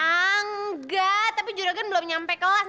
angga tapi juragan belum nyampe kelas